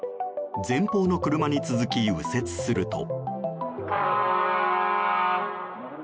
前方の車に続き右折すると。